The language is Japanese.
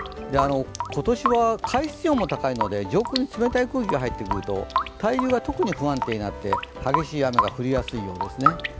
今年は海水温も高いので上空に冷たい空気が入ってくると対流が特に不安定になって、激しい雨が降りやすいようです。